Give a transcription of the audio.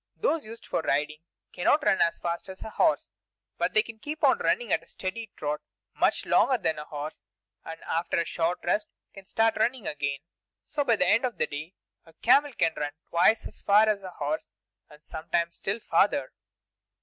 Those used for riding cannot run as fast as a horse, but they can keep on running at a steady trot much longer than a horse, and then after a short rest can start running again. So by the end of the day a camel can run twice as far as a horse, and sometimes still farther.